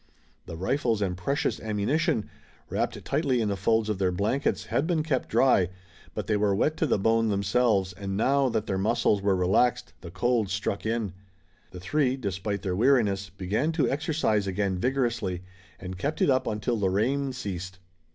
The rifles and precious ammunition, wrapped tightly in the folds of their blankets, had been kept dry, but they were wet to the bone themselves and now, that their muscles were relaxed, the cold struck in. The three, despite their weariness, began to exercise again vigorously, and kept it up until the rain ceased.